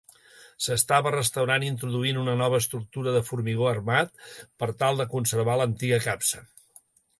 S'estava restaurant introduint una nova estructura de formigó armat per tal de conservar l'antiga capsa.